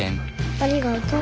ありがとう。